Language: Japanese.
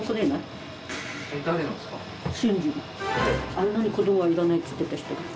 あんなに子供はいらないって言ってた人が。